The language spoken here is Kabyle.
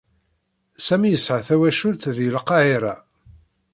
Sami yesɛa tawacult deg Lqahiṛa.